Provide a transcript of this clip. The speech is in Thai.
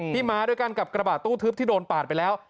มาด้วยกันกับกระบาดตู้ทึบที่โดนปาดไปแล้ว